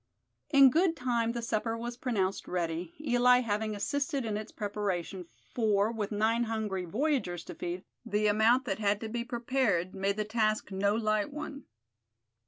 In good time the supper was pronounced ready, Eli having assisted in its preparation; for, with nine hungry voyagers to feed, the amount that had to be prepared made the task no light one.